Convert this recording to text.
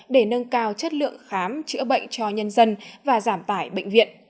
để nâng cao chất lượng khám chữa bệnh cho nhân dân và giảm tải bệnh viện